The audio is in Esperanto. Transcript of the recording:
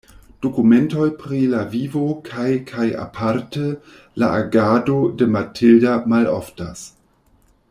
Dokumentoj pri la vivo kaj kaj aparte la agado de Matilda maloftas.